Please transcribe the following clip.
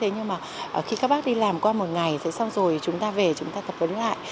nhưng mà khi các bác đi làm qua một ngày thì xong rồi chúng ta về chúng ta tập huấn lại